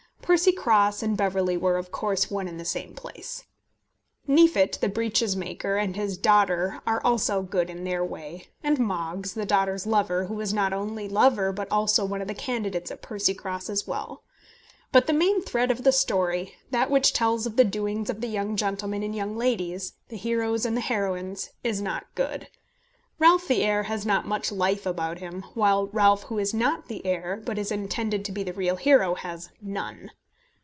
Percycross and Beverley were, of course, one and the same place. Neefit, the breeches maker, and his daughter, are also good in their way, and Moggs, the daughter's lover, who was not only lover, but also one of the candidates at Percycross as well. But the main thread of the story, that which tells of the doings of the young gentlemen and young ladies, the heroes and the heroines, is not good. Ralph the heir has not much life about him; while Ralph who is not the heir, but is intended to be the real hero, has none.